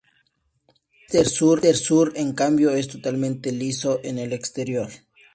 El ábside sur, en cambio, es totalmente liso en el exterior.